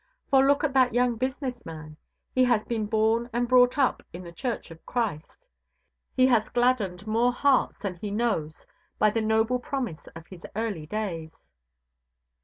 For, look at that young business man. He has been born and brought up in the Church of Christ. He has gladdened more hearts than he knows by the noble promise of his early days.